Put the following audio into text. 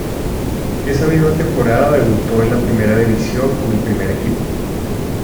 Esa misma temporada debutó en Primera División con el primer equipo.